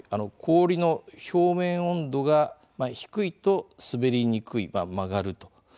氷の表面温度が低いと滑りにくい、曲がる。